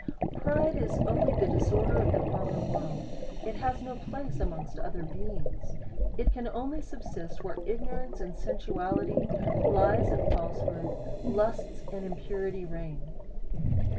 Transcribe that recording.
Pride is only the disorder of the fallen world, it has no place amongst other beings ; it can only subsist where ignorance and sensuality, lies and falsehood, lusts and impurity reign.